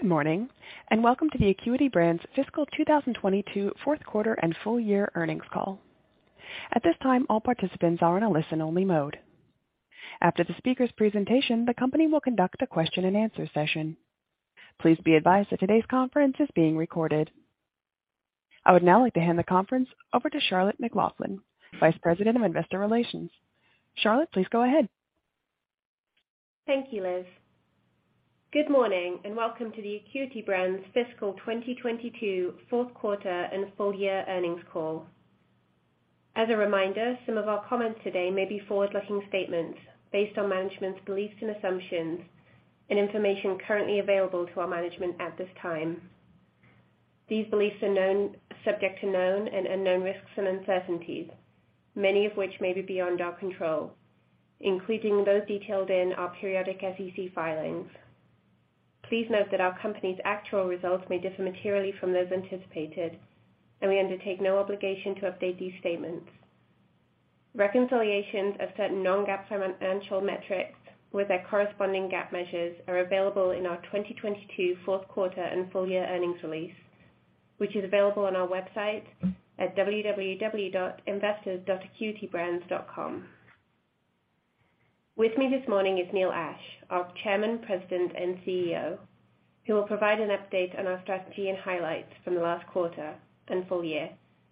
Good morning, and welcome to the Acuity Brands Fiscal 2022 fourth quarter and full year earnings call. At this time, all participants are in a listen-only mode. After the speaker's presentation, the company will conduct a question-and-answer session. Please be advised that today's conference is being recorded. I would now like to hand the conference over to Charlotte McLaughlin, Vice President of Investor Relations. Charlotte, please go ahead. Thank you, Liz. Good morning, and welcome to the Acuity Brands Fiscal 2022 fourth quarter and full year earnings call. As a reminder, some of our comments today may be forward-looking statements based on management's beliefs and assumptions and information currently available to our management at this time. These beliefs are subject to known and unknown risks and uncertainties, many of which may be beyond our control, including those detailed in our periodic SEC filings. Please note that our company's actual results may differ materially from those anticipated, and we undertake no obligation to update these statements. Reconciliations of certain non-GAAP financial metrics with their corresponding GAAP measures are available in our 2022 fourth quarter and full year earnings release, which is available on our website at www.investors.acuitybrands.com. With me this morning is Neil Ashe, our Chairman, President, and CEO, who will provide an update on our strategy and highlights from the last quarter and full year,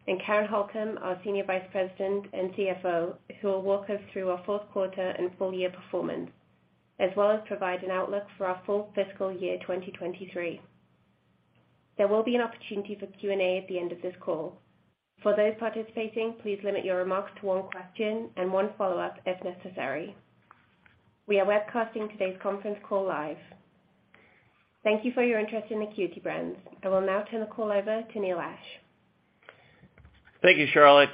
and Karen Holcomb, our Senior Vice President and CFO, who will walk us through our fourth quarter and full year performance, as well as provide an outlook for our full fiscal year 2023. There will be an opportunity for Q&A at the end of this call. For those participating, please limit your remarks to one question and one follow-up as necessary. We are webcasting today's conference call live. Thank you for your interest in Acuity Brands. I will now turn the call over to Neil Ashe. Thank you, Charlotte.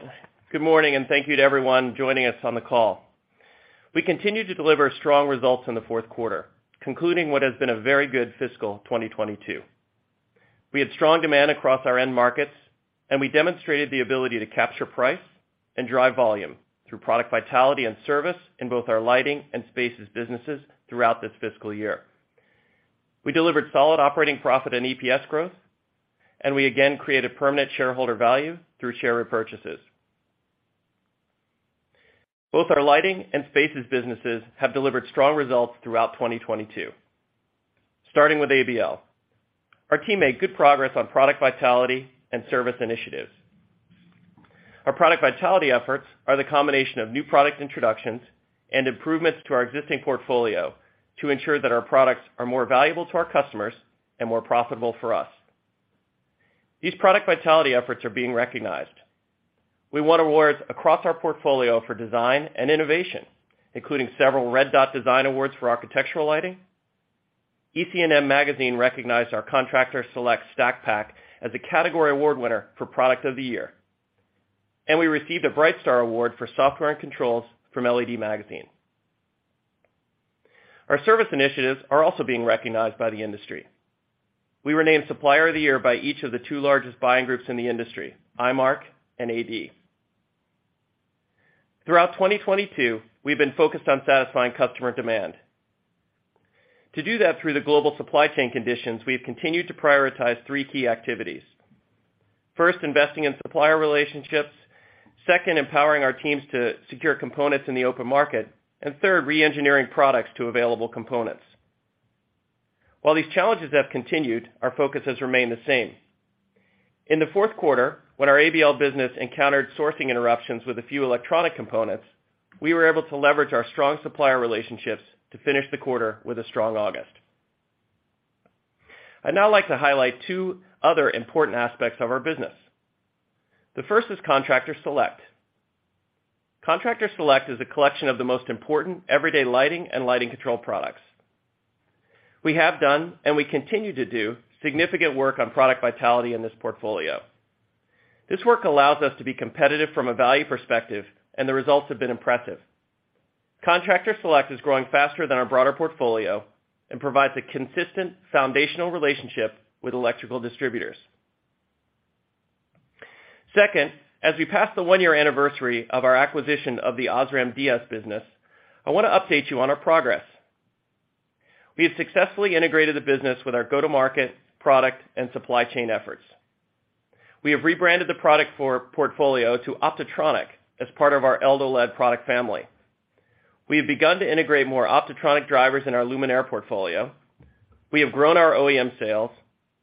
Good morning, and thank you to everyone joining us on the call. We continued to deliver strong results in the fourth quarter, concluding what has been a very good fiscal 2022. We had strong demand across our end markets, and we demonstrated the ability to capture price and drive volume through Product Vitality and Service in both our Lighting and Spaces businesses throughout this fiscal year. We delivered solid operating profit and EPS growth, and we again created permanent shareholder value through share repurchases. Both our Lighting and Spaces businesses have delivered strong results throughout 2022. Starting with ABL, our team made good progress on Product Vitality and Service initiatives. Our Product Vitality efforts are the combination of new product introductions and improvements to our existing portfolio to ensure that our products are more valuable to our customers and more profitable for us. These Product Vitality efforts are being recognized. We won awards across our portfolio for design and innovation, including several Red Dot Design Awards for architectural lighting. EC&M Magazine recognized our Contractor Select STACK Pack as a category award winner for Product of the Year. We received a BrightStar Award for software and controls from LEDs Magazine. Our service initiatives are also being recognized by the industry. We were named Supplier of the Year by each of the two largest buying groups in the industry, IMARK and AD. Throughout 2022, we've been focused on satisfying customer demand. To do that through the global supply chain conditions, we have continued to prioritize three key activities. First, investing in supplier relationships. Second, empowering our teams to secure components in the open market. Third, re-engineering products to available components. While these challenges have continued, our focus has remained the same. In the fourth quarter, when our ABL business encountered sourcing interruptions with a few electronic components, we were able to leverage our strong supplier relationships to finish the quarter with a strong August. I'd now like to highlight two other important aspects of our business. The first is Contractor Select. Contractor Select is a collection of the most important everyday lighting and lighting control products. We have done, and we continue to do, significant work on Product Vitality in this portfolio. This work allows us to be competitive from a value perspective, and the results have been impressive. Contractor Select is growing faster than our broader portfolio and provides a consistent foundational relationship with electrical distributors. Second, as we pass the one-year anniversary of our acquisition of the OSRAM DS business, I want to update you on our progress. We have successfully integrated the business with our go-to-market, product, and supply chain efforts. We have rebranded the product portfolio to OPTOTRONIC as part of our eldoLED product family. We have begun to integrate more OPTOTRONIC drivers in our luminaire portfolio. We have grown our OEM sales,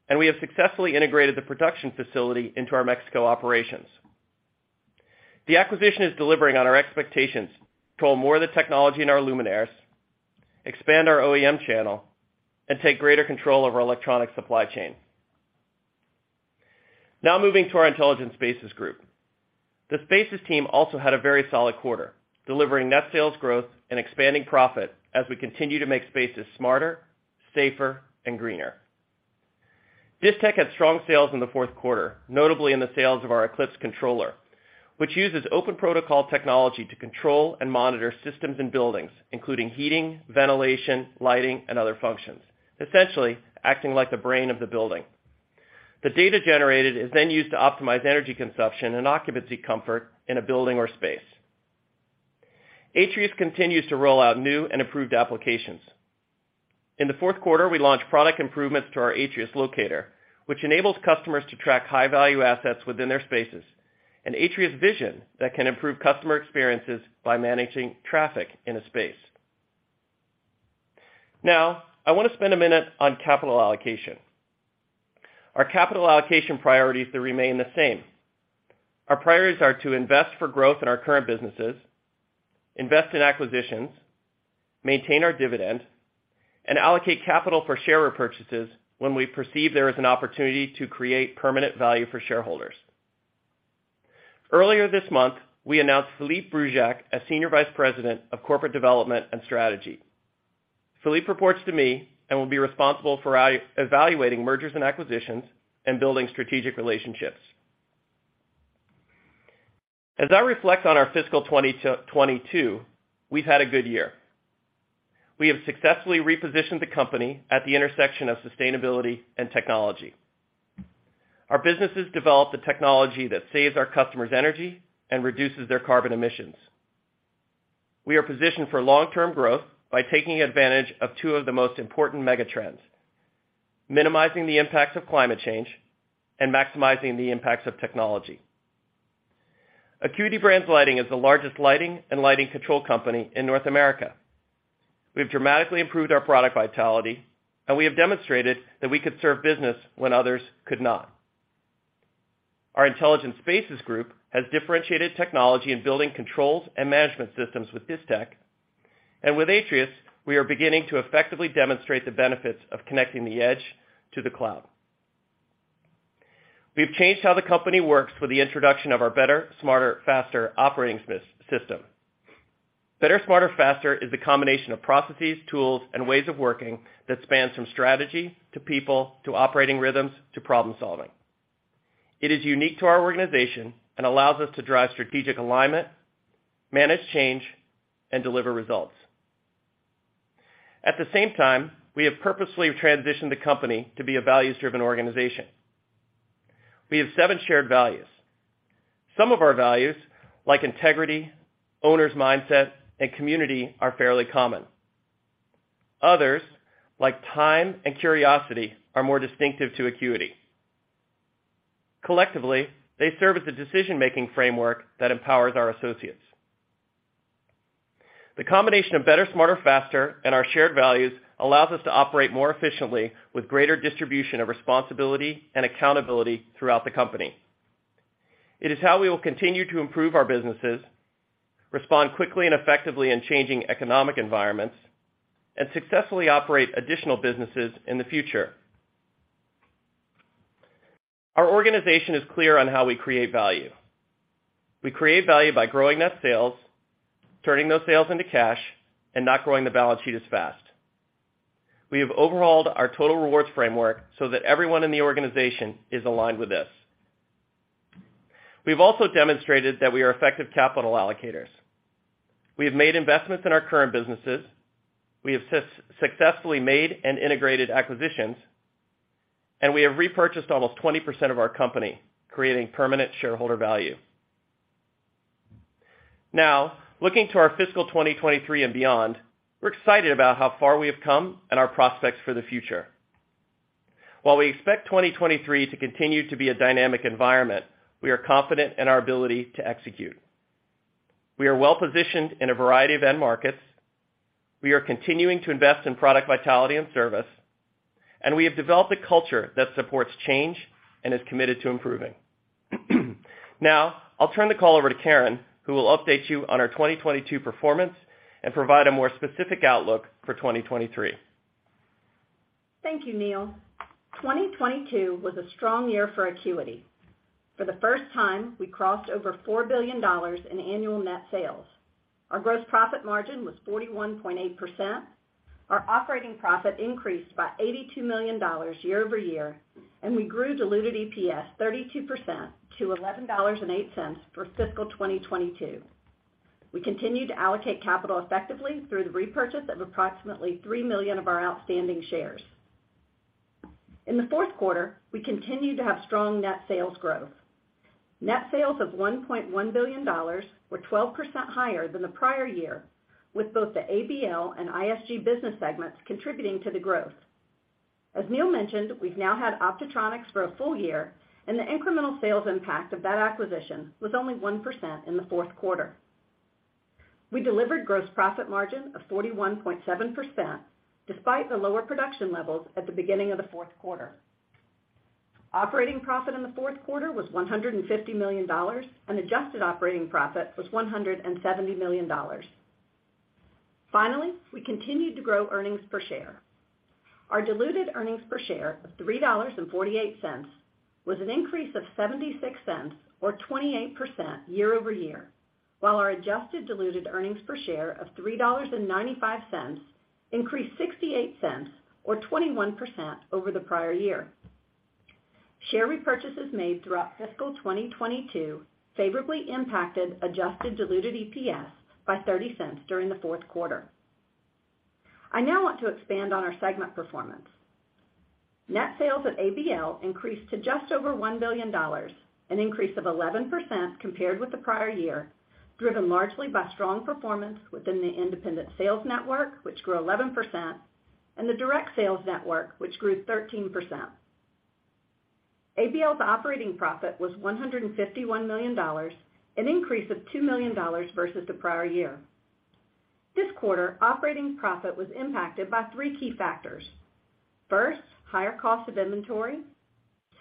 and we have successfully integrated the production facility into our Mexico operations. The acquisition is delivering on our expectations to hold more of the technology in our luminaires, expand our OEM channel, and take greater control over our electronic supply chain. Now moving to our Intelligent Spaces Group. The Spaces team also had a very solid quarter, delivering net sales growth and expanding profit as we continue to make spaces smarter, safer, and greener. Distech had strong sales in the fourth quarter, notably in the sales of our ECLYPSE controller, which uses open protocol technology to control and monitor systems in buildings, including heating, ventilation, lighting, and other functions, essentially acting like the brain of the building. The data generated is then used to optimize energy consumption and occupancy comfort in a building or space. Atrius continues to roll out new and improved applications. In the fourth quarter, we launched product improvements to our Atrius Locator, which enables customers to track high-value assets within their spaces, and Atrius Vision that can improve customer experiences by managing traffic in a space. Now, I wanna spend a minute on capital allocation. Our capital allocation priorities, they remain the same. Our priorities are to invest for growth in our current businesses, invest in acquisitions, maintain our dividend, and allocate capital for share repurchases when we perceive there is an opportunity to create permanent value for shareholders. Earlier this month, we announced Philippe Brzusczak as Senior Vice President of Corporate Development and Strategy. Philippe reports to me and will be responsible for evaluating mergers and acquisitions and building strategic relationships. As I reflect on our fiscal 2022, we've had a good year. We have successfully repositioned the company at the intersection of sustainability and technology. Our businesses develop the technology that saves our customers energy and reduces their carbon emissions. We are positioned for long-term growth by taking advantage of two of the most important megatrends. Minimizing the impacts of climate change and maximizing the impacts of technology. Acuity Brands Lighting is the largest lighting and lighting control company in North America. We've dramatically improved our Product Vitality, and we have demonstrated that we could serve business when others could not. Our Intelligent Spaces Group has differentiated technology in building controls and management systems with Distech. With Atrius, we are beginning to effectively demonstrate the benefits of connecting the edge to the cloud. We've changed how the company works with the introduction of our Better. Smarter. Faster. operating system. Better. Smarter. Faster. is the combination of processes, tools, and ways of working that spans from strategy to people to operating rhythms to problem-solving. It is unique to our organization and allows us to drive strategic alignment, manage change, and deliver results. At the same time, we have purposely transitioned the company to be a values-driven organization. We have seven shared values. Some of our values, like integrity, owner's mindset, and community are fairly common. Others, like time and curiosity, are more distinctive to Acuity. Collectively, they serve as a decision-making framework that empowers our associates. The combination of Better. Smarter. Faster. and our shared values allows us to operate more efficiently with greater distribution of responsibility and accountability throughout the company. It is how we will continue to improve our businesses, respond quickly and effectively in changing economic environments, and successfully operate additional businesses in the future. Our organization is clear on how we create value. We create value by growing net sales, turning those sales into cash, and not growing the balance sheet as fast. We have overhauled our total rewards framework so that everyone in the organization is aligned with this. We've also demonstrated that we are effective capital allocators. We have made investments in our current businesses, we have successfully made and integrated acquisitions, and we have repurchased almost 20% of our company, creating permanent shareholder value. Now, looking to our fiscal 2023 and beyond, we're excited about how far we have come and our prospects for the future. While we expect 2023 to continue to be a dynamic environment, we are confident in our ability to execute. We are well positioned in a variety of end markets, we are continuing to invest in Product Vitality and service, and we have developed a culture that supports change and is committed to improving. Now, I'll turn the call over to Karen, who will update you on our 2022 performance and provide a more specific outlook for 2023. Thank you, Neil. 2022 was a strong year for Acuity. For the first time, we crossed over $4 billion in annual net sales. Our gross profit margin was 41.8%, our operating profit increased by $82 million year-over-year, and we grew diluted EPS 32% to $11.08 for fiscal 2022. We continued to allocate capital effectively through the repurchase of approximately 3 million of our outstanding shares. In the fourth quarter, we continued to have strong net sales growth. Net sales of $1.1 billion were 12% higher than the prior year, with both the ABL and ISG business segments contributing to the growth. As Neil mentioned, we've now had OPTOTRONIC for a full year, and the incremental sales impact of that acquisition was only 1% in the fourth quarter. We delivered gross profit margin of 41.7% despite the lower production levels at the beginning of the fourth quarter. Operating profit in the fourth quarter was $150 million, and adjusted operating profit was $170 million. Finally, we continued to grow earnings per share. Our diluted earnings per share of $3.48 was an increase of $0.76 or 28% year over year, while our adjusted diluted earnings per share of $3.95 increased $0.68 cents or 21% over the prior year. Share repurchases made throughout fiscal 2022 favorably impacted adjusted diluted EPS by $0.30 cents during the fourth quarter. I now want to expand on our segment performance. Net sales at ABL increased to just over $1 billion, an increase of 11% compared with the prior year, driven largely by strong performance within the independent sales network, which grew 11%, and the direct sales network, which grew 13%. ABL's operating profit was $151 million, an increase of $2 million versus the prior year. This quarter, operating profit was impacted by three key factors. First, higher cost of inventory.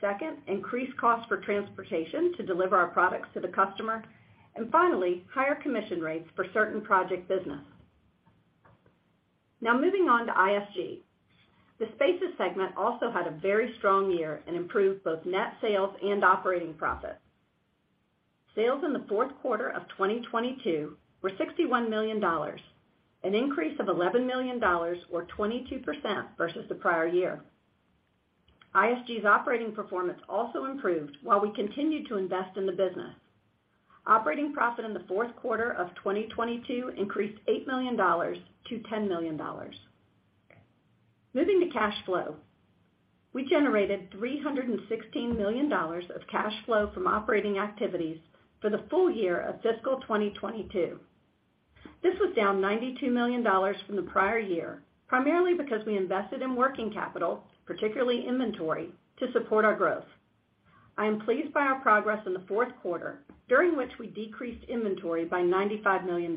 Second, increased cost for transportation to deliver our products to the customer, and finally, higher commission rates for certain project business. Now moving on to ISG. The Spaces segment also had a very strong year and improved both net sales and operating profit. Sales in the fourth quarter of 2022 were $61 million, an increase of $11 million or 22% versus the prior year. ISG's operating performance also improved while we continued to invest in the business. Operating profit in the fourth quarter of 2022 increased $8 million to $10 million. Moving to cash flow. We generated $316 million of cash flow from operating activities for the full year of fiscal 2022. This was down $92 million from the prior year, primarily because we invested in working capital, particularly inventory, to support our growth. I am pleased by our progress in the fourth quarter, during which we decreased inventory by $95 million.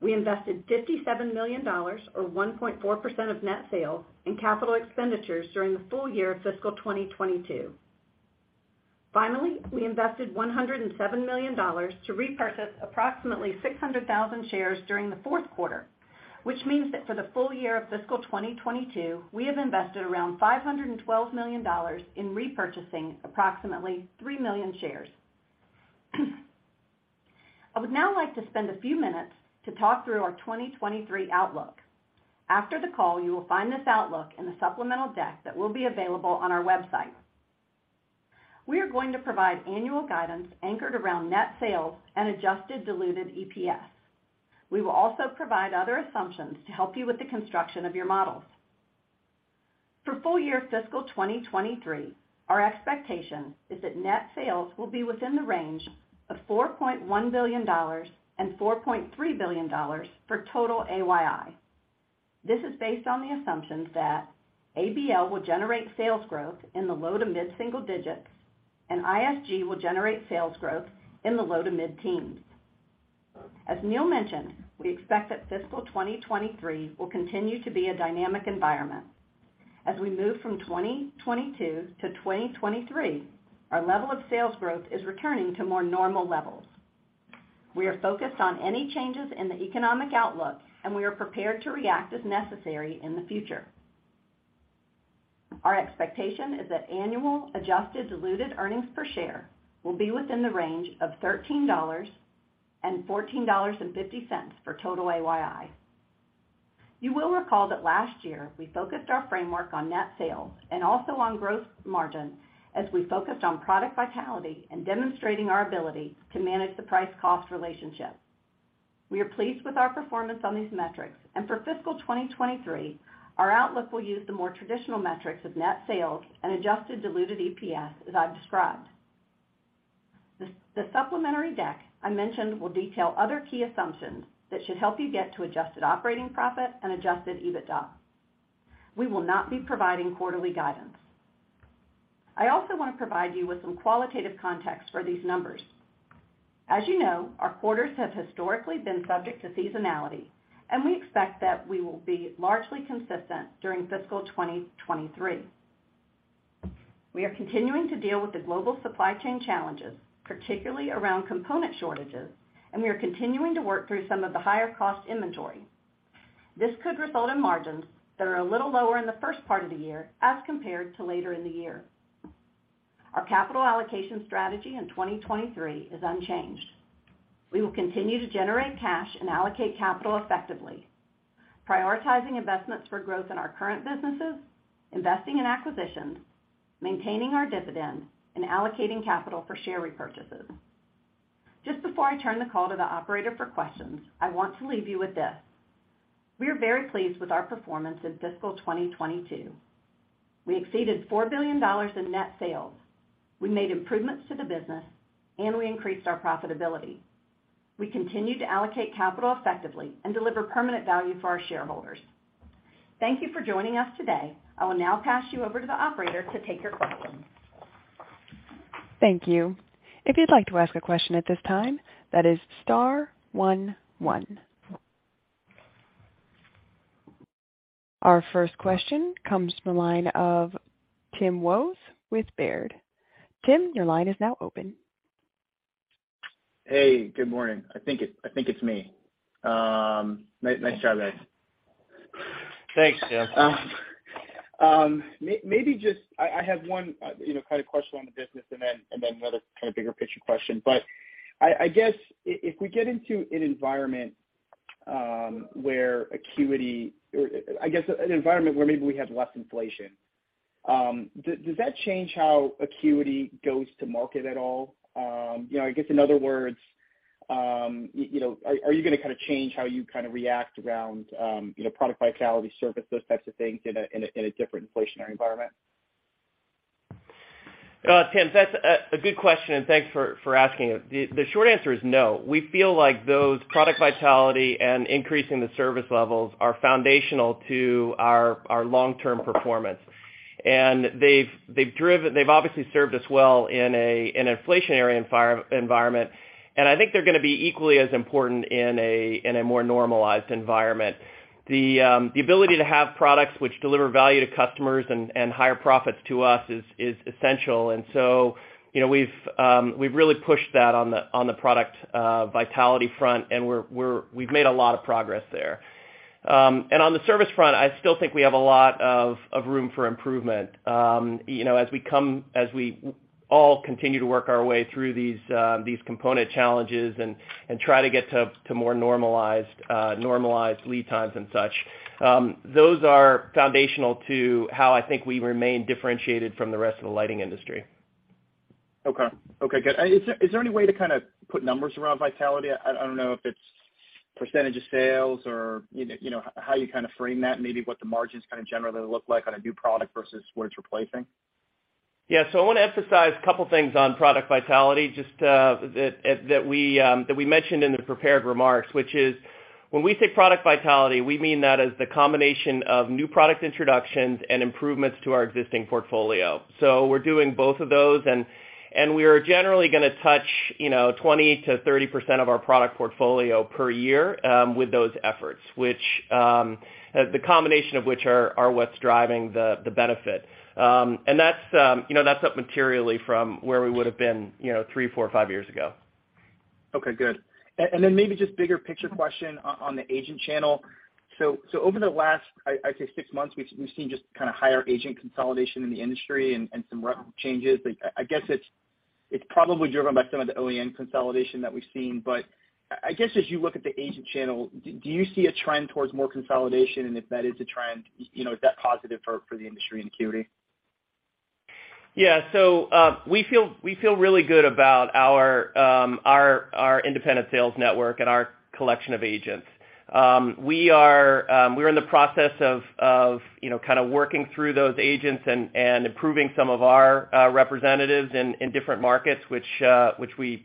We invested $57 million or 1.4% of net sales in capital expenditures during the full year of fiscal 2022. Finally, we invested $107 million to repurchase approximately 600,000 shares during the fourth quarter, which means that for the full year of fiscal 2022, we have invested around $512 million in repurchasing approximately 3 million shares. I would now like to spend a few minutes to talk through our 2023 outlook. After the call, you will find this outlook in the supplemental deck that will be available on our website. We are going to provide annual guidance anchored around net sales and adjusted diluted EPS. We will also provide other assumptions to help you with the construction of your models. For full year fiscal 2023, our expectation is that net sales will be within the range of $4.1 billion-$4.3 billion for total AYI. This is based on the assumptions that ABL will generate sales growth in the low to mid-single digits, and ISG will generate sales growth in the low to mid-teens. As Neil mentioned, we expect that fiscal 2023 will continue to be a dynamic environment. As we move from 2022 to 2023, our level of sales growth is returning to more normal levels. We are focused on any changes in the economic outlook, and we are prepared to react as necessary in the future. Our expectation is that annual adjusted diluted earnings per share will be within the range of $13-$14.50 for total AYI. You will recall that last year, we focused our framework on net sales and also on gross margin as we focused on Product Vitality and demonstrating our ability to manage the price-cost relationship. We are pleased with our performance on these metrics, and for fiscal 2023, our outlook will use the more traditional metrics of net sales and adjusted diluted EPS as I've described. The supplementary deck I mentioned will detail other key assumptions that should help you get to adjusted operating profit and adjusted EBITDA. We will not be providing quarterly guidance. I also want to provide you with some qualitative context for these numbers. As you know, our quarters have historically been subject to seasonality, and we expect that we will be largely consistent during fiscal 2023. We are continuing to deal with the global supply chain challenges, particularly around component shortages, and we are continuing to work through some of the higher cost inventory. This could result in margins that are a little lower in the first part of the year as compared to later in the year. Our capital allocation strategy in 2023 is unchanged. We will continue to generate cash and allocate capital effectively, prioritizing investments for growth in our current businesses, investing in acquisitions, maintaining our dividend, and allocating capital for share repurchases. Just before I turn the call to the operator for questions, I want to leave you with this. We are very pleased with our performance in fiscal 2022. We exceeded $4 billion in net sales. We made improvements to the business, and we increased our profitability. We continue to allocate capital effectively and deliver permanent value for our shareholders. Thank you for joining us today. I will now pass you over to the operator to take your questions. Thank you. If you'd like to ask a question at this time, that is star one one. Our first question comes from the line of Tim Wojs with Baird. Tim, your line is now open. Hey, good morning. I think it's me. Nice job, guys. Thanks, Tim. Maybe just, I have one, you know, kind of question on the business and then another kind of bigger picture question. I guess if we get into an environment where Acuity or I guess an environment where maybe we have less inflation. Does that change how Acuity goes to market at all? You know, I guess in other words, you know, are you gonna kind of change how you kind of react around, you know, Product Vitality, Service, those types of things in a different inflationary environment? Tim, that's a good question, and thanks for asking it. The short answer is no. We feel like those Product Vitality and increasing the service levels are foundational to our long-term performance. They've obviously served us well in an inflationary environment, and I think they're gonna be equally as important in a more normalized environment. The ability to have products which deliver value to customers and higher profits to us is essential. You know, we've really pushed that on the Product Vitality front, and we've made a lot of progress there. On the service front, I still think we have a lot of room for improvement. You know, as we all continue to work our way through these component challenges and try to get to more normalized lead times and such, those are foundational to how I think we remain differentiated from the rest of the lighting industry. Okay, good. Is there any way to kind of put numbers around vitality? I don't know if it's percentage of sales or, you know, how you kind of frame that and maybe what the margins kind of generally look like on a new product versus what it's replacing. Yeah. I wanna emphasize a couple things on Product Vitality just that we mentioned in the prepared remarks, which is when we say Product Vitality, we mean that as the combination of new product introductions and improvements to our existing portfolio. We're doing both of those. We are generally gonna touch, you know, 20%-30% of our product portfolio per year with those efforts, which the combination of which are what's driving the benefit. That's, you know, up materially from where we would have been, you know, three, four, five years ago. Okay, good. Then maybe just bigger picture question on the agent channel. Over the last, I'd say six months, we've seen just kind of higher agent consolidation in the industry and some rough changes. Like, I guess it's probably driven by some of the OEM consolidation that we've seen. I guess, as you look at the agent channel, do you see a trend towards more consolidation? If that is a trend, you know, is that positive for the industry and Acuity? Yeah. We feel really good about our independent sales network and our collection of agents. We're in the process of you know kind of working through those agents and improving some of our representatives in different markets, which we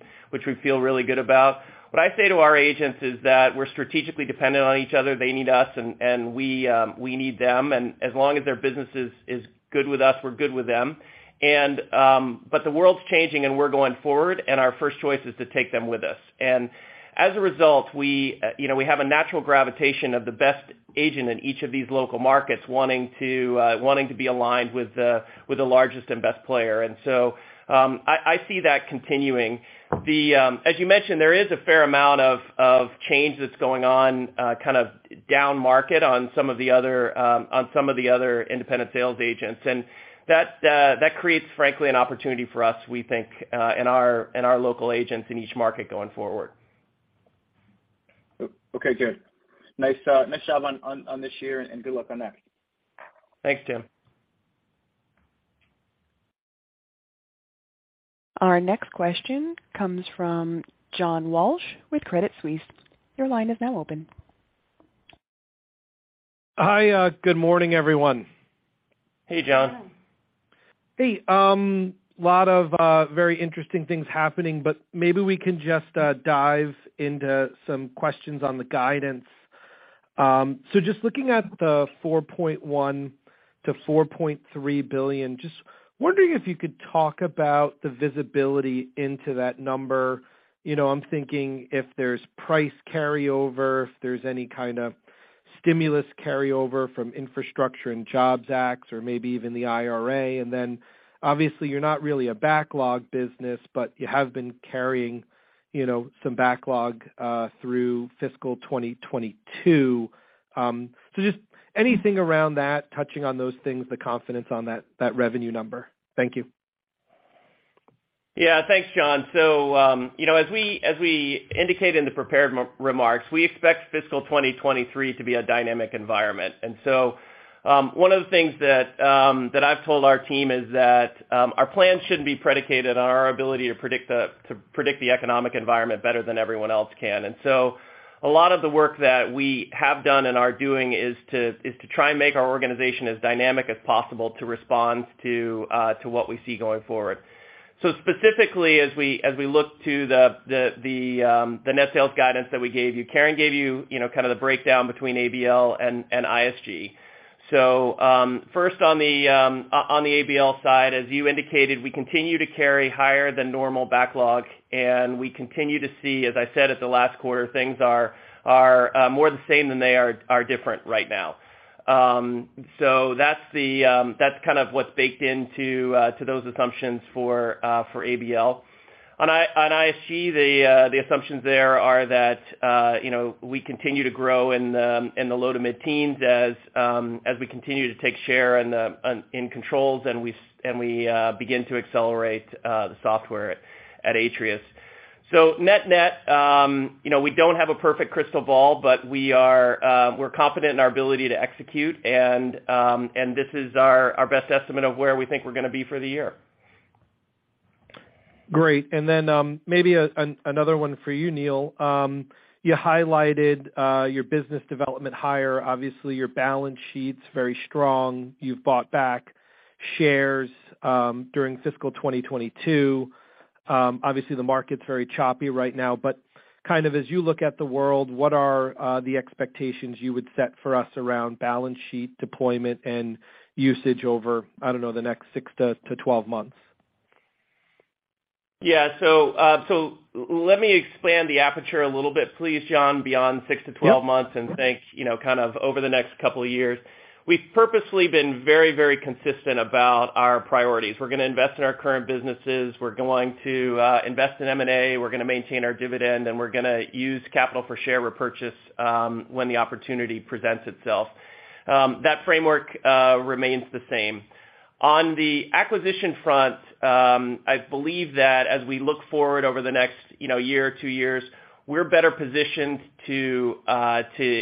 feel really good about. What I say to our agents is that we're strategically dependent on each other. They need us, and we need them. As long as their business is good with us, we're good with them. The world's changing, and we're going forward, and our first choice is to take them with us. As a result, we, you know, we have a natural gravitation of the best agent in each of these local markets wanting to be aligned with the largest and best player. I see that continuing. As you mentioned, there is a fair amount of change that's going on kind of down market on some of the other independent sales agents. That creates, frankly, an opportunity for us, we think, and our local agents in each market going forward. Okay, good. Nice, nice job on this year and good luck on next. Thanks, Tim. Our next question comes from John Walsh with Credit Suisse. Your line is now open. Hi. Good morning, everyone. Hey, John. Hey. Lot of very interesting things happening, but maybe we can just dive into some questions on the guidance. Just looking at the $4.1 billion-$4.3 billion, just wondering if you could talk about the visibility into that number. You know, I'm thinking if there's price carryover, if there's any kind of stimulus carryover from infrastructure and jobs acts or maybe even the IRA. Then obviously you're not really a backlog business, but you have been carrying, you know, some backlog through fiscal 2022. Just anything around that touching on those things, the confidence on that revenue number. Thank you. Yeah. Thanks, John. You know, as we indicated in the prepared remarks, we expect fiscal 2023 to be a dynamic environment. One of the things that I've told our team is that our plan shouldn't be predicated on our ability to predict the economic environment better than everyone else can. A lot of the work that we have done and are doing is to try and make our organization as dynamic as possible to respond to what we see going forward. Specifically as we look to the net sales guidance that we gave you, Karen gave you know, kind of the breakdown between ABL and ISG. First on the ABL side, as you indicated, we continue to carry higher than normal backlog, and we continue to see, as I said at the last quarter, things are more the same than they are different right now. That's kind of what's baked into those assumptions for ABL. On ISG, the assumptions there are that you know, we continue to grow in the low- to mid-teens% as we continue to take share in the controls and we begin to accelerate the software at Atrius. Net-net, you know, we don't have a perfect crystal ball, but we're confident in our ability to execute, and this is our best estimate of where we think we're gonna be for the year. Great. Maybe another one for you, Neil. You highlighted your business development hire. Obviously, your balance sheet's very strong. You've bought back shares during fiscal 2022. Obviously, the market's very choppy right now, but kind of as you look at the world, what are the expectations you would set for us around balance sheet deployment and usage over, I don't know, the next six to 12 months? Let me expand the aperture a little bit, please, John, beyond six to 12 months. Yeah, sure. Think, you know, kind of over the next couple of years. We've purposely been very, very consistent about our priorities. We're gonna invest in our current businesses. We're going to invest in M&A. We're gonna maintain our dividend, and we're gonna use capital for share repurchase when the opportunity presents itself. That framework remains the same. On the acquisition front, I believe that as we look forward over the next, you know, year or two years, we're better positioned to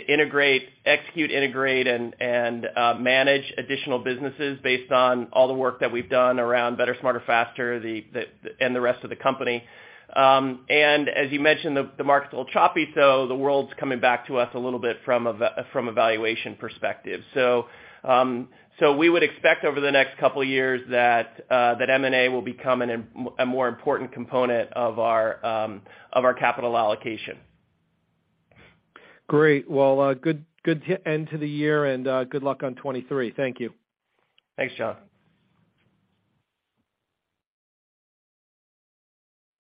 integrate, execute, and manage additional businesses based on all the work that we've done around Better. Smarter.Faster. And the rest of the company. As you mentioned, the market's a little choppy, so the world's coming back to us a little bit from a valuation perspective. We would expect over the next couple of years that M&A will become a more important component of our capital allocation. Great. Well, good end to the year, and good luck on 2023. Thank you. Thanks, John.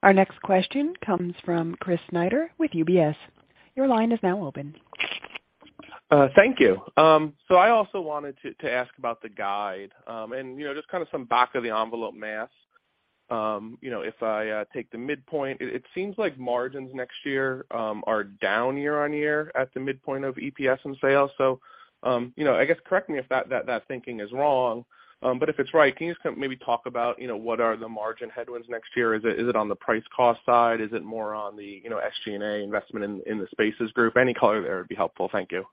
Our next question comes from Chris Snyder with UBS. Your line is now open. Thank you. I also wanted to ask about the guide, and you know, just kinda some back of the envelope math. You know, if I take the midpoint, it seems like margins next year are down year-over-year at the midpoint of EPS and sales. I guess correct me if that thinking is wrong. If it's right, can you just kind of maybe talk about, you know, what are the margin headwinds next year? Is it on the price cost side? Is it more on the, you know, SG&A investment in the Spaces group? Any color there would be helpful. Thank you.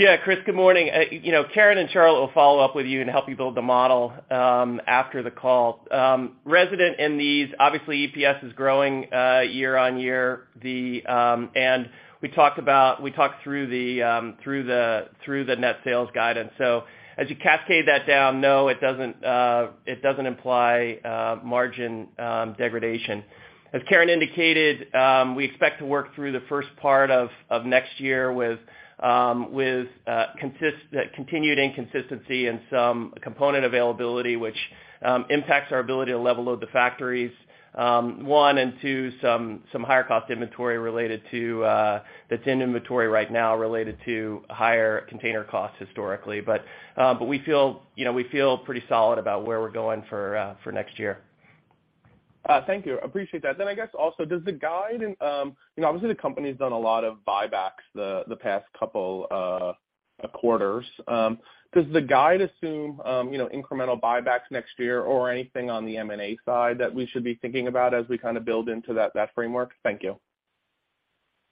Yeah. Chris, good morning. You know, Karen and Charlotte will follow up with you and help you build the model after the call. Inherent in these, obviously, EPS is growing year on year. We talked through the net sales guidance. As you cascade that down, no, it doesn't imply margin degradation. As Karen indicated, we expect to work through the first part of next year with continued inconsistency in some component availability, which impacts our ability to level load the factories, one, and two, some higher cost inventory related to that's in inventory right now related to higher container costs historically. We feel pretty solid about where we're going for next year. Thank you. Appreciate that. I guess also does the guide and, you know, obviously the company's done a lot of buybacks the past couple quarters. Does the guide assume, you know, incremental buybacks next year or anything on the M&A side that we should be thinking about as we kind of build into that framework? Thank you.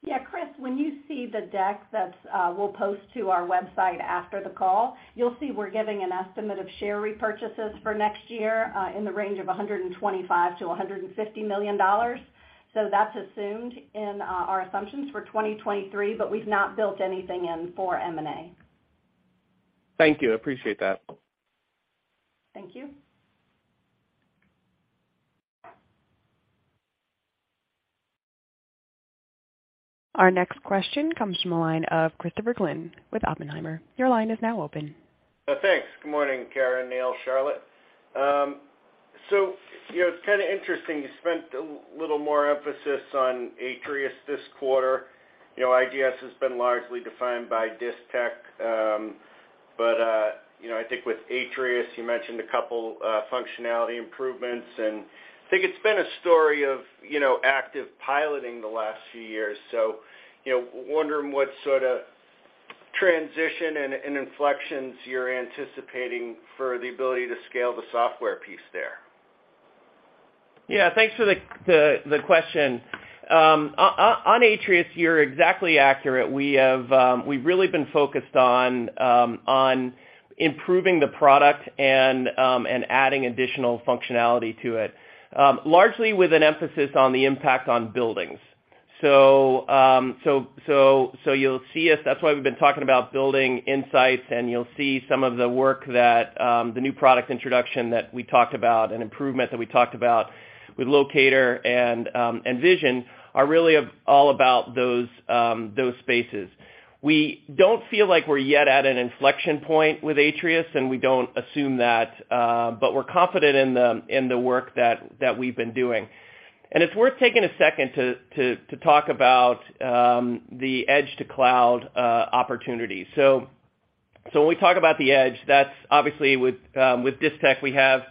Yeah. Chris, when you see the deck that we'll post to our website after the call, you'll see we're giving an estimate of share repurchases for next year in the range of $125 million-$150 million. That's assumed in our assumptions for 2023, but we've not built anything in for M&A. Thank you. I appreciate that. Thank you. Our next question comes from the line of Christopher Glynn with Oppenheimer. Your line is now open. Thanks. Good morning, Karen, Neil, Charlotte. You know, it's kinda interesting, you spent a little more emphasis on Atrius this quarter. You know, ISG has been largely defined by Distech, but, you know, I think with Atrius, you mentioned a couple functionality improvements, and I think it's been a story of, you know, active piloting the last few years. You know, wondering what sort of transition and inflections you're anticipating for the ability to scale the software piece there. Yeah. Thanks for the question. On Atrius, you're exactly accurate. We've really been focused on improving the product and adding additional functionality to it, largely with an emphasis on the impact on buildings. So you'll see us that's why we've been talking about building insights, and you'll see some of the work that the new product introduction that we talked about and improvement that we talked about with Locator and Vision are really all about those spaces. We don't feel like we're yet at an inflection point with Atrius, and we don't assume that, but we're confident in the work that we've been doing. It's worth taking a second to talk about the edge to cloud opportunity. When we talk about the edge, that's obviously with Distech. We have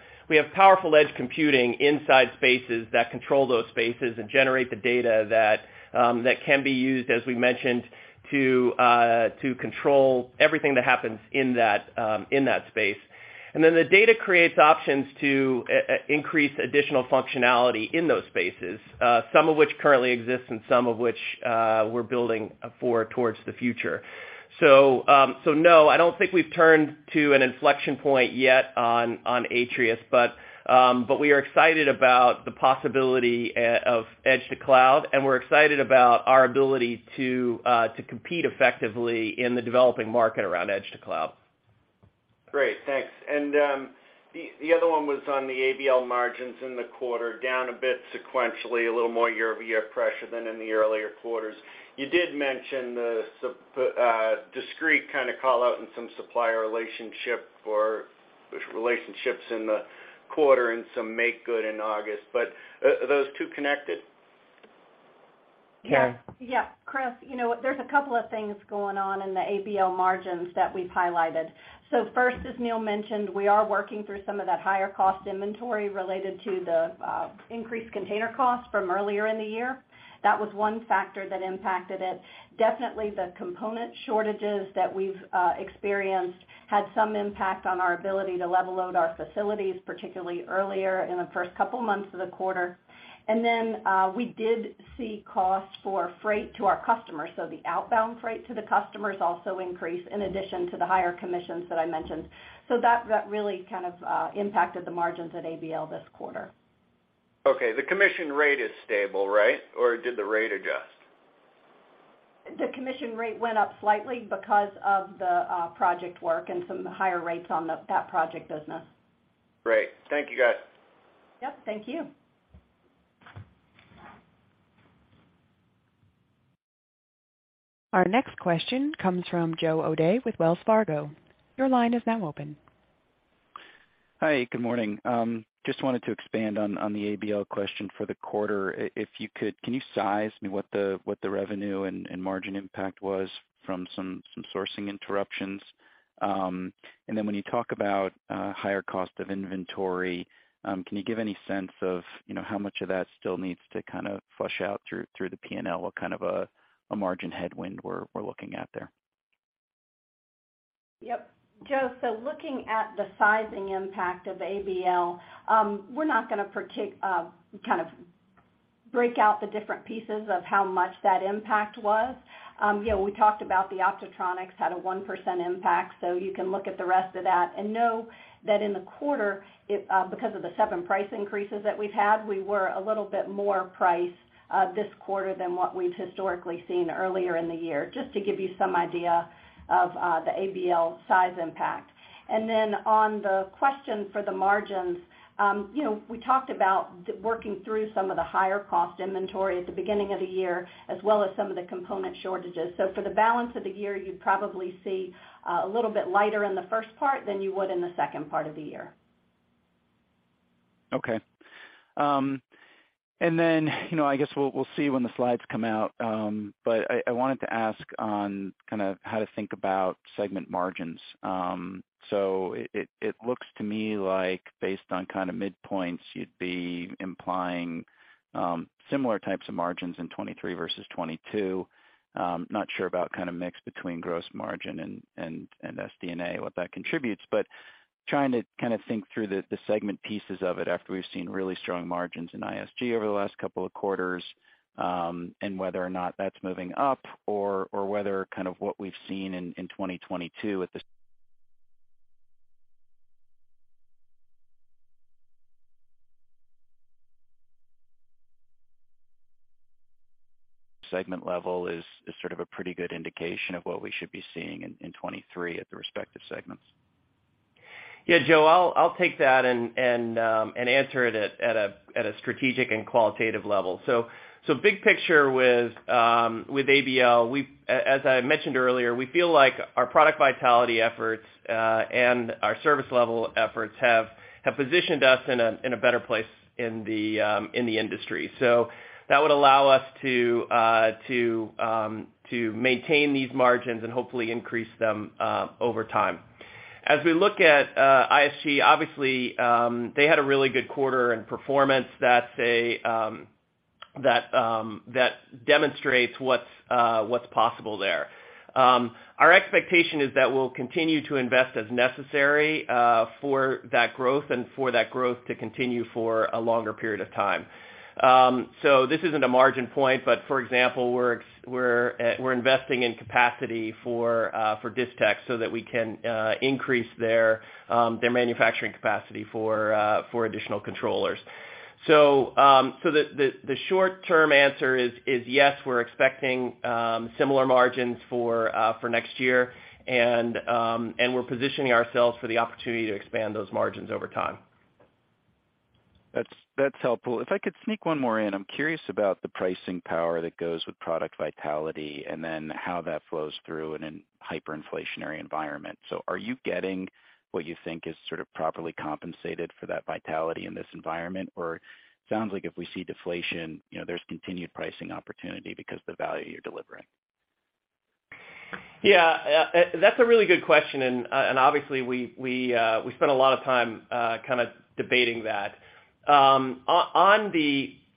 powerful edge computing inside spaces that control those spaces and generate the data that can be used, as we mentioned, to control everything that happens in that space. Then the data creates options to increase additional functionality in those spaces, some of which currently exists and some of which we're building for towards the future. No, I don't think we've turned to an inflection point yet on Atrius. We are excited about the possibility of edge to cloud, and we're excited about our ability to compete effectively in the developing market around edge to cloud. Great. Thanks. The other one was on the ABL margins in the quarter, down a bit sequentially, a little more year-over-year pressure than in the earlier quarters. You did mention the discrete kind of call-out in some supplier relationship or relationships in the quarter and some make good in August. Are those two connected? Karen? Yeah. Yeah. Chris, you know what, there's a couple of things going on in the ABL margins that we've highlighted. First, as Neil mentioned, we are working through some of that higher cost inventory related to the increased container costs from earlier in the year. That was one factor that impacted it. Definitely the component shortages that we've experienced had some impact on our ability to level load our facilities, particularly earlier in the first couple months of the quarter. We did see costs for freight to our customers. The outbound freight to the customers also increased in addition to the higher commissions that I mentioned. That really kind of impacted the margins at ABL this quarter. Okay. The commission rate is stable, right? Or did the rate adjust? The commission rate went up slightly because of the project work and some higher rates on that project business. Great. Thank you, guys. Yep. Thank you. Our next question comes from Joe O'Dea with Wells Fargo. Your line is now open. Hi, good morning. Just wanted to expand on the ABL question for the quarter. If you could, can you size what the revenue and margin impact was from some sourcing interruptions? When you talk about higher cost of inventory, can you give any sense of, you know, how much of that still needs to kind of flush out through the P&L? What kind of a margin headwind we're looking at there? Yep. Joe, looking at the sizing impact of ABL, we're not gonna kind of break out the different pieces of how much that impact was. You know, we talked about the OPTOTRONIC had a 1% impact, so you can look at the rest of that and know that in the quarter, it because of the 7 price increases that we've had, we were a little bit more priced this quarter than what we've historically seen earlier in the year, just to give you some idea of the ABL size impact. Then on the question for the margins, you know, we talked about working through some of the higher cost inventory at the beginning of the year, as well as some of the component shortages. For the balance of the year, you'd probably see a little bit lighter in the first part than you would in the second part of the year. Okay. You know, I guess we'll see when the slides come out. I wanted to ask on kind of how to think about segment margins. It looks to me like based on kind of midpoints, you'd be implying similar types of margins in 2023 versus 2022. Not sure about kind of mix between gross margin and SD&A, what that contributes, but trying to kind of think through the segment pieces of it after we've seen really strong margins in ISG over the last couple of quarters, and whether or not that's moving up or whether kind of what we've seen in 2022 at the segment level is sort of a pretty good indication of what we should be seeing in 2023 at the respective segments. Yeah, Joe, I'll take that and answer it at a strategic and qualitative level. Big picture with ABL, as I mentioned earlier, we feel like our Product Vitality efforts and our Service Level efforts have positioned us in a better place in the industry. That would allow us to maintain these margins and hopefully increase them over time. As we look at ISG, obviously, they had a really good quarter and performance that demonstrates what's possible there. Our expectation is that we'll continue to invest as necessary for that growth and for that growth to continue for a longer period of time. This isn't a margin point, but for example, we're investing in capacity for Distech so that we can increase their manufacturing capacity for additional controllers. The short-term answer is yes, we're expecting similar margins for next year and we're positioning ourselves for the opportunity to expand those margins over time. That's helpful. If I could sneak one more in, I'm curious about the pricing power that goes with Product Vitality and then how that flows through in a hyperinflationary environment. Are you getting what you think is sort of properly compensated for that vitality in this environment? Or sounds like if we see deflation, you know, there's continued pricing opportunity because the value you're delivering. Yeah. That's a really good question, and obviously we spend a lot of time kind of debating that. From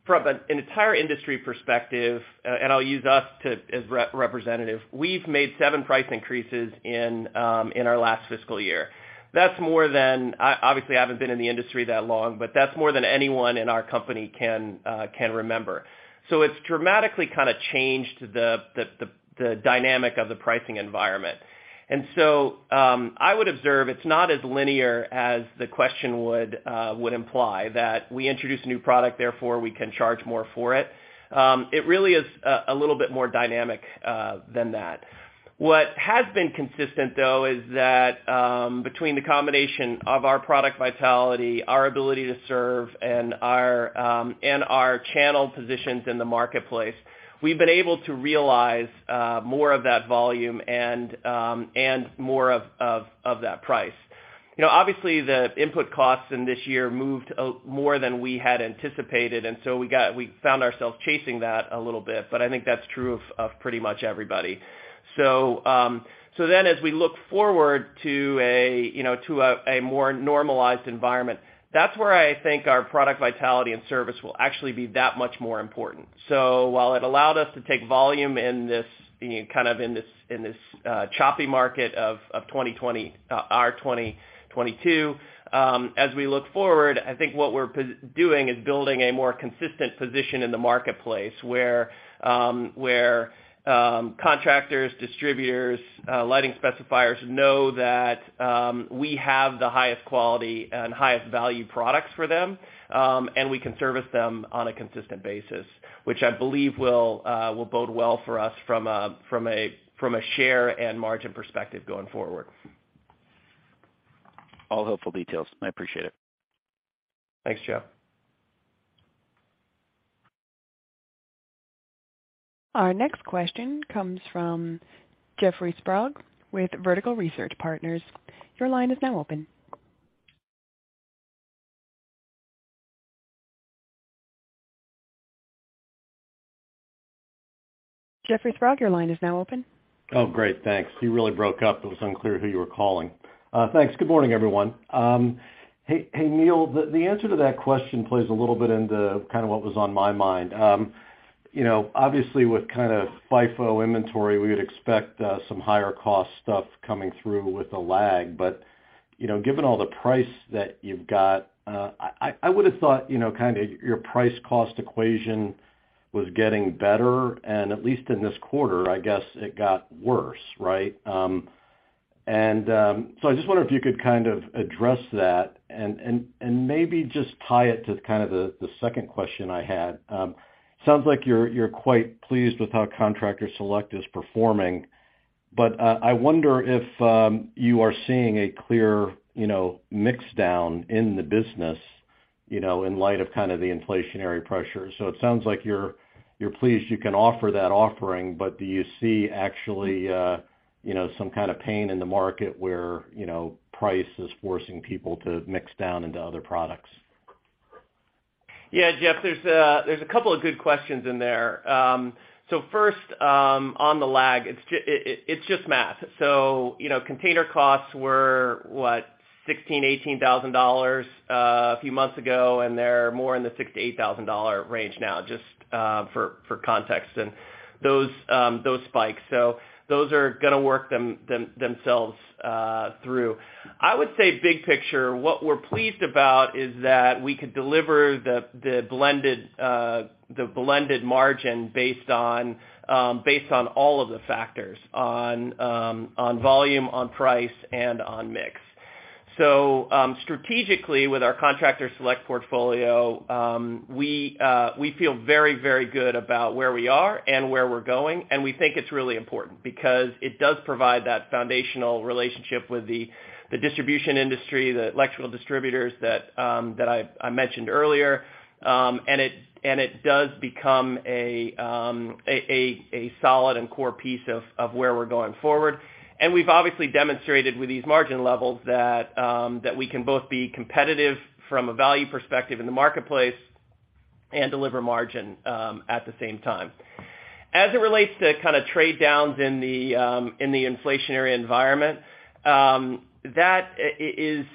an entire industry perspective, and I'll use us as representative, we've made 7 price increases in our last fiscal year. That's more than obviously I haven't been in the industry that long, but that's more than anyone in our company can remember. It's dramatically kind of changed the dynamic of the pricing environment. I would observe it's not as linear as the question would imply that we introduce a new product, therefore we can charge more for it. It really is a little bit more dynamic than that. What has been consistent though is that, between the combination of our Product Vitality, our ability to serve, and our channel positions in the marketplace, we've been able to realize more of that volume and more of that price. You know, obviously, the input costs in this year moved more than we had anticipated, and so we found ourselves chasing that a little bit, but I think that's true of pretty much everybody. As we look forward to a more normalized environment, you know, that's where I think our Product Vitality and Service will actually be that much more important. While it allowed us to take volume in this choppy market of 2022, as we look forward, I think what we're doing is building a more consistent position in the marketplace where contractors, distributors, lighting specifiers know that we have the highest quality and highest value products for them, and we can service them on a consistent basis, which I believe will bode well for us from a share and margin perspective going forward. All helpful details. I appreciate it. Thanks, Joe. Our next question comes from Jeffrey Sprague with Vertical Research Partners. Your line is now open. Jeffrey Sprague, your line is now open. Oh, great. Thanks. You really broke up. It was unclear who you were calling. Thanks. Good morning, everyone. Hey, Neil, the answer to that question plays a little bit into kind of what was on my mind. You know, obviously, with kind of FIFO inventory, we would expect some higher cost stuff coming through with a lag. You know, given all the price that you've got, I would have thought, you know, kinda your price-cost equation was getting better, and at least in this quarter, I guess it got worse, right? So I just wonder if you could kind of address that and maybe just tie it to kind of the second question I had. Sounds like you're quite pleased with how Contractor Select is performing. I wonder if you are seeing a clear, you know, mix down in the business, you know, in light of kind of the inflationary pressure. It sounds like you're pleased you can offer that offering, but do you see actually, you know, some kind of pain in the market where, you know, price is forcing people to mix down into other products? Yeah, Jeff, there's a couple of good questions in there. First, on the lag, it's just math. You know, container costs were, what, $16,000-$18,000 a few months ago, and they're more in the $6,000-$8,000 range now, just for context. Those spikes. Those are gonna work themselves through. I would say big picture, what we're pleased about is that we could deliver the blended margin based on all of the factors, on volume, on price, and on mix. Strategically with our Contractor Select portfolio, we feel very, very good about where we are and where we're going, and we think it's really important because it does provide that foundational relationship with the distribution industry, the electrical distributors that I mentioned earlier. It does become a solid and core piece of where we're going forward. We've obviously demonstrated with these margin levels that we can both be competitive from a value perspective in the marketplace and deliver margin at the same time. As it relates to kind of trade downs in the inflationary environment, that is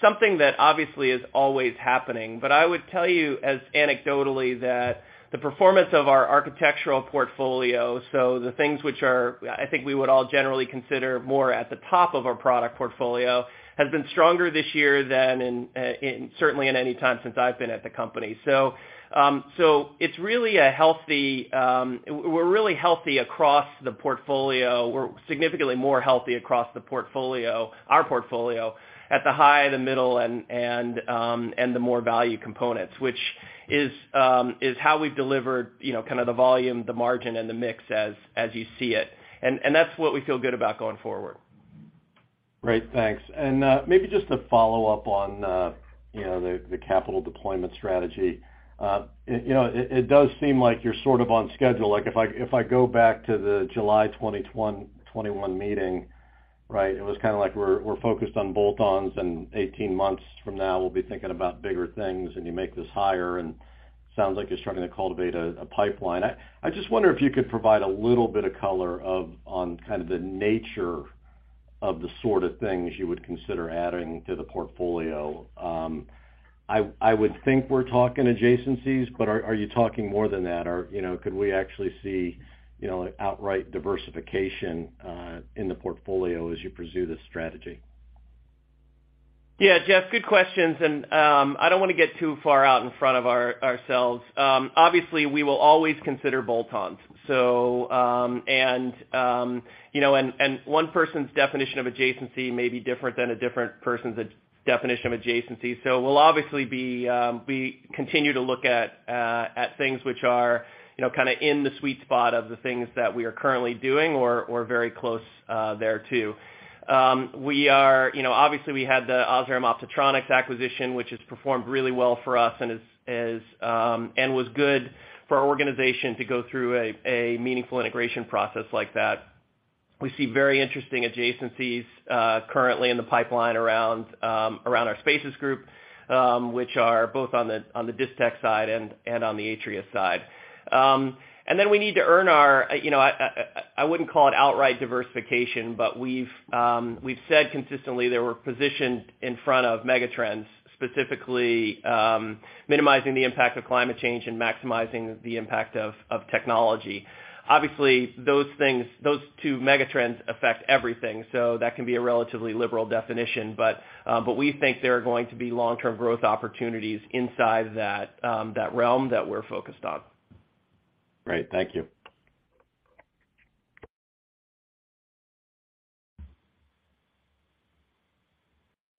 something that obviously is always happening. I would tell you as anecdotally that the performance of our architectural portfolio, so the things which are, I think we would all generally consider more at the top of our product portfolio, has been stronger this year than in certainly in any time since I've been at the company. It's really a healthy. We're really healthy across the portfolio. We're significantly more healthy across the portfolio at the high, the middle, and the more value components, which is how we've delivered, you know, kind of the volume, the margin, and the mix as you see it. That's what we feel good about going forward. Great. Thanks. Maybe just to follow up on, you know, the capital deployment strategy. You know, it does seem like you're sort of on schedule. Like if I go back to the July 2021 meeting, right? It was kind of like we're focused on bolt-ons, and 18 months from now we'll be thinking about bigger things, and you make this higher, and sounds like you're starting to cultivate a pipeline. I just wonder if you could provide a little bit of color on kind of the nature of the sort of things you would consider adding to the portfolio. I would think we're talking adjacencies, but are you talking more than that? You know, could we actually see, you know, outright diversification in the portfolio as you pursue this strategy? Yeah, Jeff, good questions. I don't wanna get too far out in front of ourselves. Obviously, we will always consider bolt-ons. You know, one person's definition of adjacency may be different than a different person's definition of adjacency. We'll obviously continue to look at things which are, you know, kind of in the sweet spot of the things that we are currently doing or very close there too. We are, you know, obviously we had the OSRAM OPTOTRONIC acquisition, which has performed really well for us and is and was good for our organization to go through a meaningful integration process like that. We see very interesting adjacencies currently in the pipeline around our Spaces Group, which are both on the Distech side and on the Atrius side. We need to earn our, you know, I wouldn't call it outright diversification, but we've said consistently that we're positioned in front of megatrends, specifically minimizing the impact of climate change and maximizing the impact of technology. Obviously, those things, those two megatrends affect everything, so that can be a relatively liberal definition. We think there are going to be long-term growth opportunities inside that realm that we're focused on. Great. Thank you.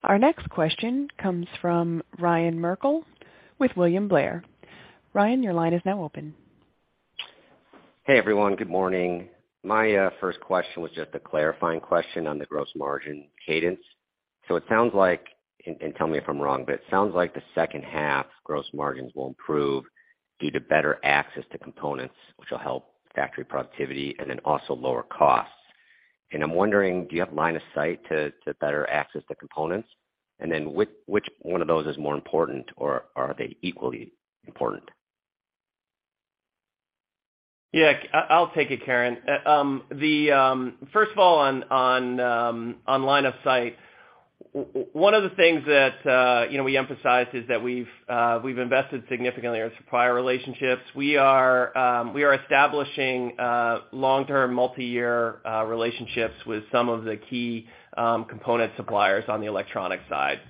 Our next question comes from Ryan Merkel with William Blair. Ryan, your line is now open. Hey, everyone. Good morning. My first question was just a clarifying question on the gross margin cadence. It sounds like, and tell me if I'm wrong, but it sounds like the second half gross margins will improve due to better access to components which will help factory productivity and then also lower costs. I'm wondering, do you have line of sight to better access the components? Which one of those is more important, or are they equally important? Yeah, I'll take it, Karen. First of all, on line of sight, one of the things that you know, we emphasized is that we've invested significantly in supplier relationships. We are establishing long-term multi-year relationships with some of the key component suppliers on the electronic side.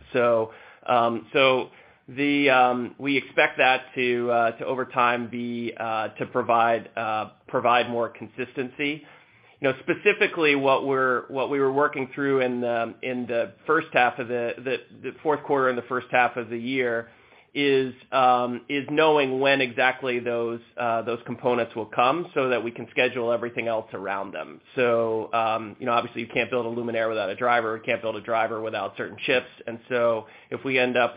We expect that to over time provide more consistency. You know, specifically what we were working through in the first half of the fourth quarter and the first half of the year is knowing when exactly those components will come so that we can schedule everything else around them. You know, obviously you can't build a luminaire without a driver. You can't build a driver without certain chips. If we end up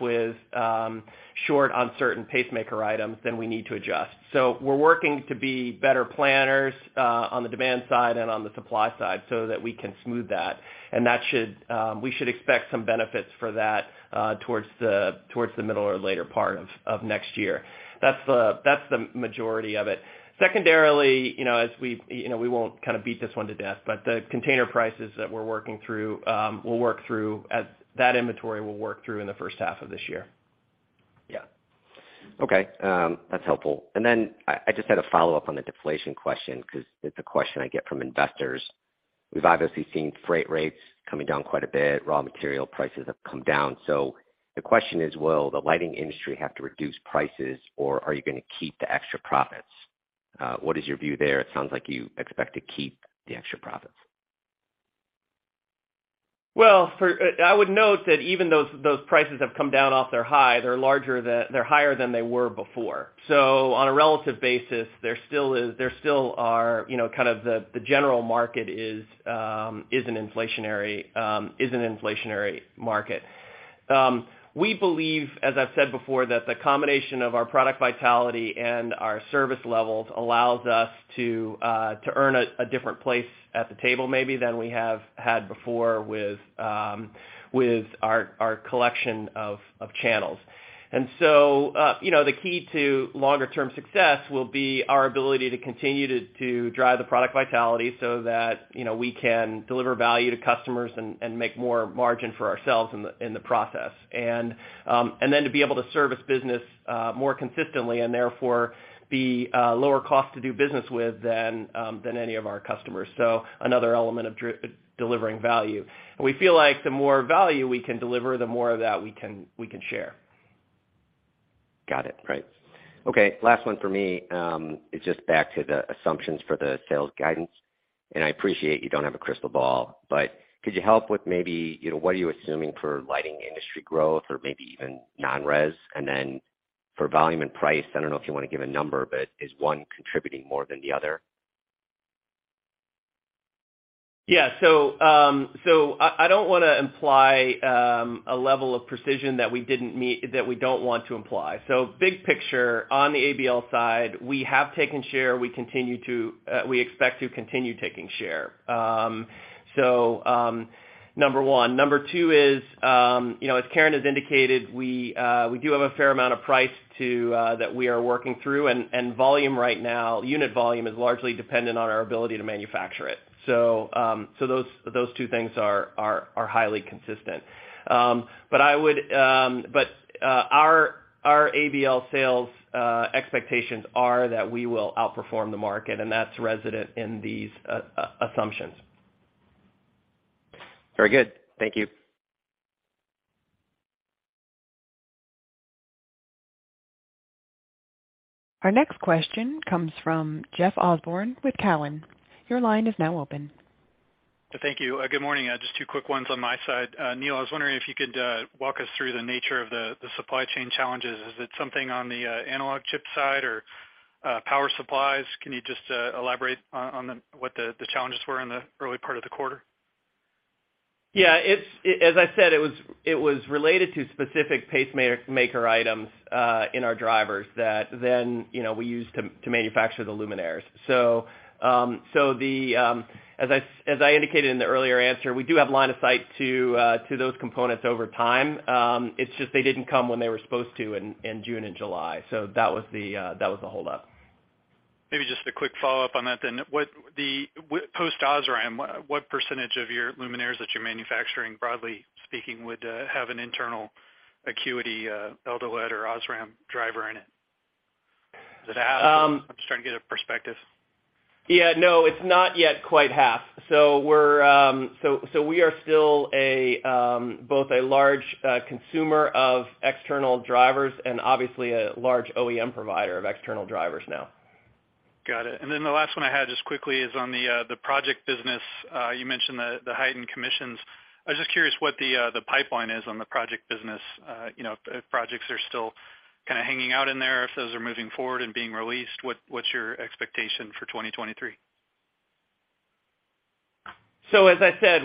short on certain pacemaker items, then we need to adjust. We're working to be better planners on the demand side and on the supply side so that we can smooth that. We should expect some benefits for that towards the middle or later part of next year. That's the majority of it. Secondarily, you know, as we've, you know, we won't kind of beat this one to death, but the container prices that we're working through will work through, that inventory will work through in the first half of this year. Yeah. Okay. That's helpful. I just had a follow-up on the deflation question because it's a question I get from investors. We've obviously seen freight rates coming down quite a bit. Raw material prices have come down. The question is, will the lighting industry have to reduce prices, or are you gonna keep the extra profits? What is your view there? It sounds like you expect to keep the extra profits. Well, I would note that even those prices have come down off their high. They're higher than they were before. On a relative basis, there still is, you know, kind of the general market is an inflationary market. We believe, as I've said before, that the combination of our Product Vitality and our Service levels allows us to earn a different place at the table maybe than we have had before with our collection of channels. You know, the key to longer-term success will be our ability to continue to drive the Product Vitality so that, you know, we can deliver value to customers and make more margin for ourselves in the process. To be able to service business more consistently, and therefore be lower cost to do business with than any of our customers. Another element of delivering value. We feel like the more value we can deliver, the more of that we can share. Got it. Great. Okay, last one for me. It's just back to the assumptions for the sales guidance, and I appreciate you don't have a crystal ball, but could you help with maybe, you know, what are you assuming for lighting industry growth or maybe even non-res? And then for volume and price, I don't know if you wanna give a number, but is one contributing more than the other? I don't wanna imply a level of precision that we don't want to imply. Big picture on the ABL side, we have taken share. We expect to continue taking share, number one. Number two is, you know, as Karen has indicated, we do have a fair amount of pricing that we are working through, and volume right now, unit volume is largely dependent on our ability to manufacture it. Those two things are highly consistent. Our ABL sales expectations are that we will outperform the market, and that's reflected in these assumptions. Very good. Thank you. Our next question comes from Jeff Osborne with Cowen. Your line is now open. Thank you. Good morning. Just two quick ones on my side. Neil, I was wondering if you could walk us through the nature of the supply chain challenges. Is it something on the analog chip side or power supplies? Can you just elaborate on what the challenges were in the early part of the quarter? As I said, it was related to specific capacitor items in our drivers that then, you know, we use to manufacture the luminaires. As I indicated in the earlier answer, we do have line of sight to those components over time. It's just they didn't come when they were supposed to in June and July. That was the hold up. Maybe just a quick follow-up on that then. Post OSRAM, what percentage of your luminaires that you're manufacturing, broadly speaking, would have an internal Acuity eldoLED or OSRAM driver in it? Is it half? I'm just trying to get a perspective. Yeah, no, it's not yet quite half. We are still both a large consumer of external drivers and obviously a large OEM provider of external drivers now. Got it. The last one I had just quickly is on the project business. You mentioned the heightened commissions. I was just curious what the pipeline is on the project business. You know, if projects are still kinda hanging out in there, if those are moving forward and being released, what's your expectation for 2023? As I said,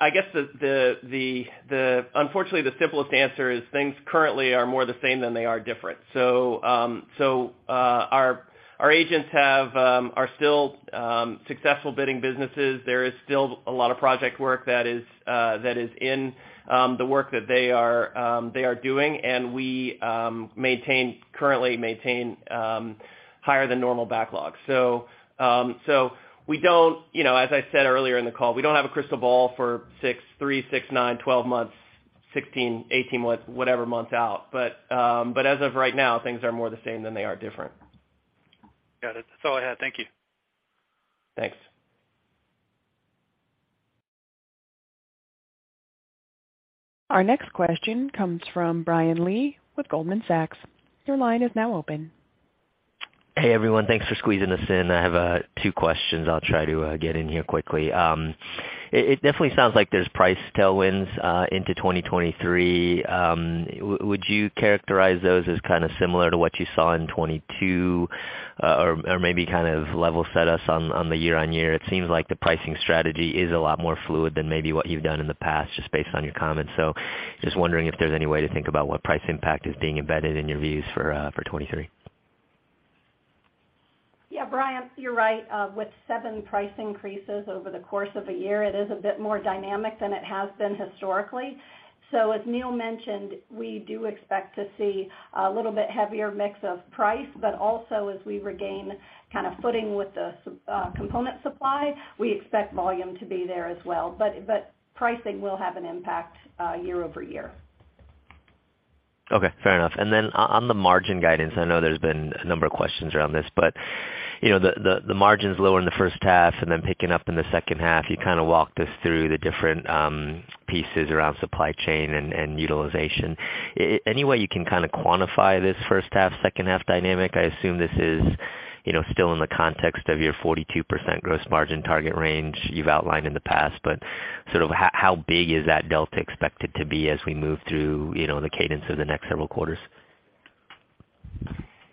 I guess unfortunately, the simplest answer is things currently are more the same than they are different. Our agents are still successful bidding businesses. There is still a lot of project work that is in the work that they are doing. We currently maintain higher than normal backlogs. We don't, you know, as I said earlier in the call, we don't have a crystal ball for six, three, six, nine, 12 months, 16, 18 mo-whatever months out. As of right now, things are more the same than they are different. Got it. That's all I had. Thank you. Thanks. Our next question comes from Brian Lee with Goldman Sachs. Your line is now open. Hey, everyone. Thanks for squeezing us in. I have two questions I'll try to get in here quickly. It definitely sounds like there's price tailwinds into 2023. Would you characterize those as kinda similar to what you saw in 2022, or maybe kind of level set us on the year-over-year? It seems like the pricing strategy is a lot more fluid than maybe what you've done in the past just based on your comments. Just wondering if there's any way to think about what price impact is being embedded in your views for 2023. Yeah, Brian, you're right. With 7 price increases over the course of a year, it is a bit more dynamic than it has been historically. As Neil mentioned, we do expect to see a little bit heavier mix of price, but also as we regain kind of footing with the component supply, we expect volume to be there as well. Pricing will have an impact year-over-year. Okay. Fair enough. On the margin guidance, I know there's been a number of questions around this, but, you know, the margin's lower in the first half and then picking up in the second half. You kinda walked us through the different pieces around supply chain and utilization. Any way you can kinda quantify this first half, second half dynamic? I assume this is, you know, still in the context of your 42% gross margin target range you've outlined in the past. But sort of how big is that delta expected to be as we move through, you know, the cadence of the next several quarters?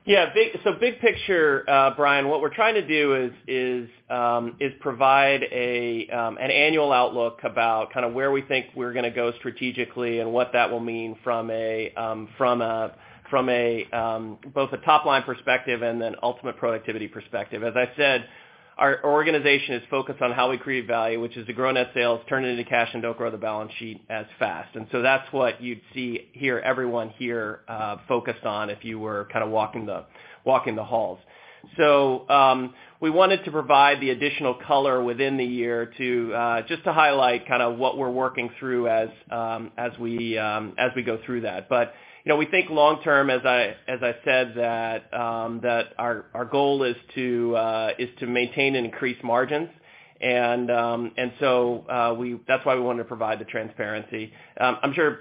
Yeah. Big picture, Brian, what we're trying to do is provide an annual outlook about kinda where we think we're gonna go strategically and what that will mean from both a top-line perspective and then ultimate productivity perspective. As I said, our organization is focused on how we create value, which is to grow net sales, turn it into cash, and don't grow the balance sheet as fast. That's what you'd see here, everyone here focused on if you were kinda walking the halls. We wanted to provide the additional color within the year to just to highlight kinda what we're working through as we go through that. You know, we think long term, as I said, that our goal is to maintain and increase margins. That's why we wanted to provide the transparency. I'm sure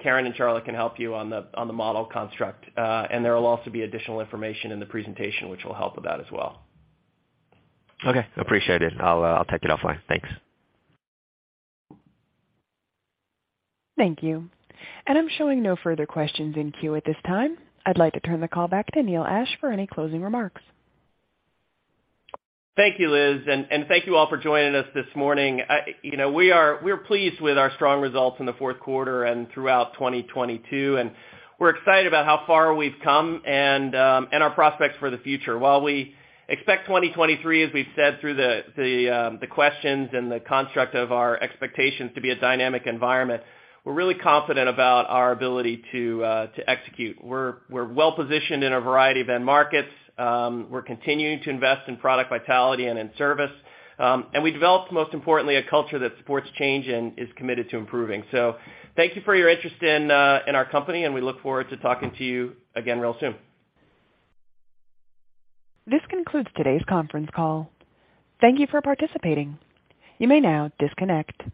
Karen and Charlotte can help you on the model construct. There will also be additional information in the presentation which will help with that as well. Okay. Appreciate it. I'll take it offline. Thanks. Thank you. I'm showing no further questions in queue at this time. I'd like to turn the call back to Neil Ashe for any closing remarks. Thank you, Liz, and thank you all for joining us this morning. You know, we're pleased with our strong results in the fourth quarter and throughout 2022, and we're excited about how far we've come and our prospects for the future. While we expect 2023, as we've said through the questions and the construct of our expectations to be a dynamic environment, we're really confident about our ability to execute. We're well positioned in a variety of end markets. We're continuing to invest in Product Vitality and in Service. We developed, most importantly, a culture that supports change and is committed to improving. Thank you for your interest in our company, and we look forward to talking to you again real soon. This concludes today's conference call. Thank you for participating. You may now disconnect.